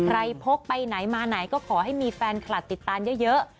พกไปไหนมาไหนก็ขอให้มีแฟนคลับติดตามเยอะ